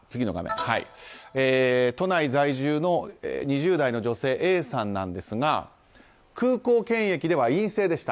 都内在住の２０代の女性Ａさんなんですが空港検疫では陰性でした。